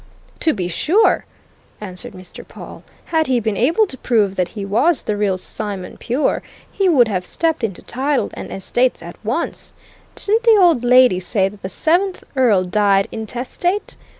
"To be sure!" answered Mr. Pawle. "Had he been able to prove that he was the real Simon pure, he would have stepped into title and estates at once. Didn't the old lady say that the seventh Earl died intestate?